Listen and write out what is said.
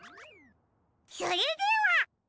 それでは。